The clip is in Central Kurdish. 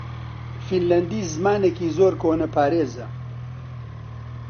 فینلاندی زمانێکی زۆر کۆنەپارێزە.